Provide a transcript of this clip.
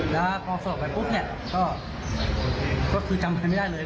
แล้วพอสอบไปปุ๊บเนี่ยก็คือจำอะไรไม่ได้เลย